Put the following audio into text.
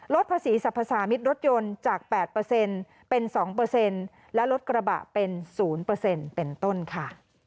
ภาษีสรรพสามิตรรถยนต์จาก๘เป็น๒และลดกระบะเป็น๐เป็นต้นค่ะ